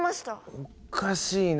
おかしいな。